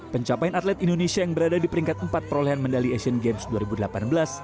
pencapaian atlet indonesia yang berada di peringkat empat perolehan medali asian games dua ribu delapan belas